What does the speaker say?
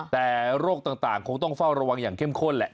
แต่โรคต่างคงต้องเฝ้าระวังอย่างเข้มข้นแหละ